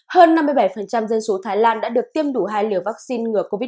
hơn năm mươi bảy dân số thái lan đã được tiêm đủ hai liều vaccine ngừa covid một mươi chín